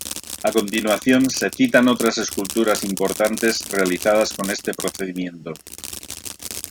A continuación, se citan otras esculturas importantes realizadas con este procedimiento.